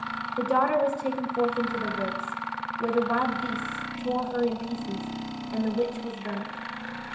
The daughter was taken forth into the woods, where the wild beasts tore her in pieces, and the witch was burnt.